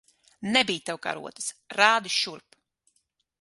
Nebij tev karotes. Rādi šurp!